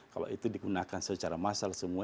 kalau itu digunakan secara massal semua